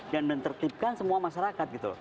dan menertibkan semua masyarakat gitu